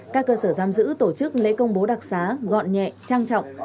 các cơ sở giam giữ tổ chức lễ công bố đặc xá gọn nhẹ trang trọng